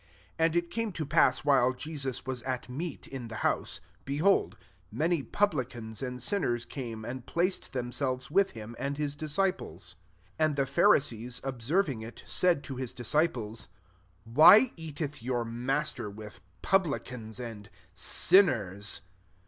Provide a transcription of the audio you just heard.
10 And it came to pass while Jesus was at meat in the house, behold, many publicans and sin ners came and placed them selves with him and his disci ples. 11 And the Pharisees observing «V, said to his disci ples, •< Why eateth your Mas ter with publicans and sin ners